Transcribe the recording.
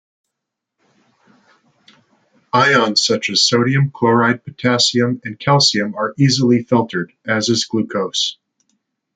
Ions such as sodium, chloride, potassium, and calcium are easily filtered, as is glucose.